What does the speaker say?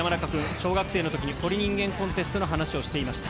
小学生のときに『鳥人間コンテスト』の話をしていました。